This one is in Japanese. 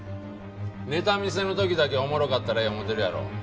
ネタ見せの時だけおもろかったらええ思ってるやろ？